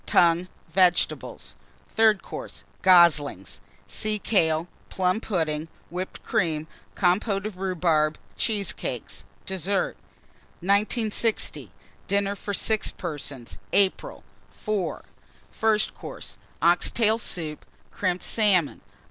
Tongue. Vegetables. THIRD COURSE. Goslings. Sea kale. Plum pudding. Whipped Cream. Compôte of Rhubarb. Cheesecakes. DESSERT. 1960. DINNER FOR 6 PERSONS (April). IV. FIRST COURSE. Ox tail Soup. Crimped Salmon.